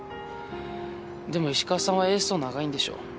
でも石川さんはエースと長いんでしょ？